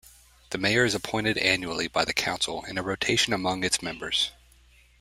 The Mayor is appointed annually by the Council in a rotation among its members.